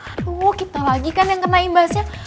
aduh kita lagi kan yang kena imbasnya